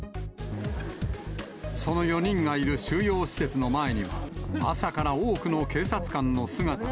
その４人がいる収容施設の前には、朝から多くの警察官の姿が。